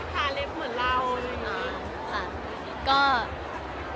พี่นาแดดไปนั่งรอแล้วทาเล็บเหมือนเรา